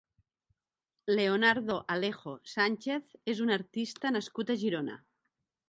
Leonardo Alejo Sánchez és un artista nascut a Girona.